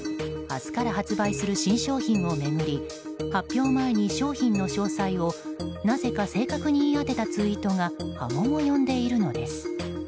明日から発売する新商品を巡り発表前に商品の詳細をなぜか正確に言い当てたツイートが波紋を呼んでいるのです。